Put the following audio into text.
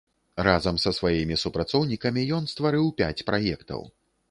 Разам са сваімі супрацоўнікамі ён стварыў пяць праектаў.